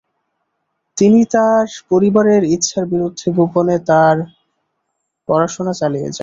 তিনি তার পরিবারের ইচ্ছার বিরুদ্ধে গোপনে তার পড়াশোনা চালিয়ে যান।